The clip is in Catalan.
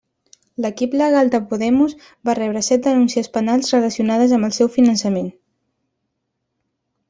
L'equip legal de Podemos va rebre set denúncies penals relacionades amb el seu finançament.